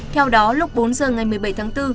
theo đó lúc bốn giờ ngày một mươi bảy tháng bốn